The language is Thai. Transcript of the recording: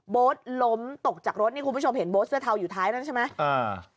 ล้มตกจากรถนี่คุณผู้ชมเห็นโบ๊ทเสื้อเทาอยู่ท้ายนั้นใช่ไหมอ่า